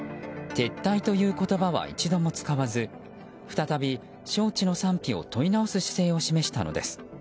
撤退という言葉は一度も使わず再び招致の賛否を問い直す姿勢を示したのです。